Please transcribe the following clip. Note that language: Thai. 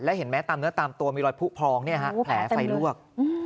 เห็นไหมตามเนื้อตามตัวมีรอยผู้พองแผลไฟลวก